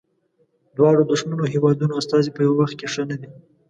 دواړو دښمنو هیوادونو استازي په یوه وخت کې ښه نه دي.